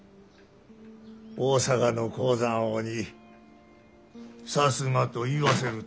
大阪の鉱山王にさすがと言わせるとは。